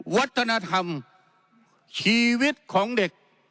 วัฒนธรรมชีวิตของเด็ก